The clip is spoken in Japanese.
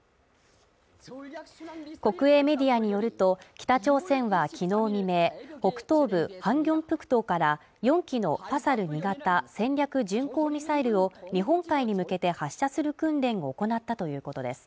国営メディアによると、北朝鮮はきのう未明、北東部、ハンギョンプクドから４基の刺さる新潟戦略巡航ミサイルを日本海に向けて発射する訓練を行ったということです。